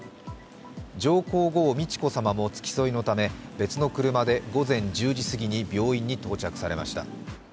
上皇后・美智子さまも付き添いのため、別の車で午前１０時すぎに病院に到着されました。